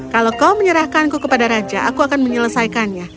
kalau kau menyerahkanku kepada raja aku akan menyelesaikannya